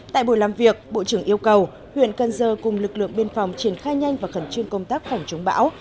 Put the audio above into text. tại buổi làm việc bộ trưởng yêu cầu huyện cần giờ cùng lực lượng biên phòng triển khai nhanh và khẩn trương công tác phòng chống bão